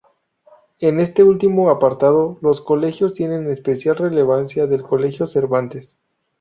En este último apartado, los colegios, tiene especial relevancia el Colegio Cervantes.